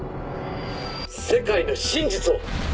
世界の真実を！